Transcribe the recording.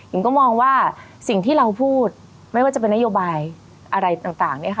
อิ่มก็มองว่าสิ่งที่เราพูดไม่ว่าจะเป็นนโยบายอะไรต่าง